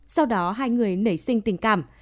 sau đó hai người nảy sinh tình cảm